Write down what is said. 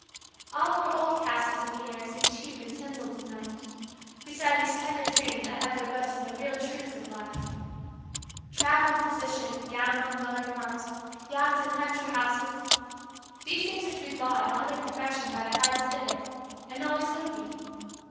All her old castles in the air seemed cheap and tinselled to night, beside these tender dreams that had their roots in the real truths of life. Travel and position, gowns and motor cars, yachts and country houses, these things were to be bought in all their perfection by the highest bidder, and always would be.